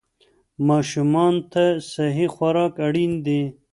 ماشومان ته صحي خوراک اړین دی.